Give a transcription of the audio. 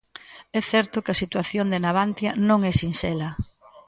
É certo que a situación de Navantia non é sinxela.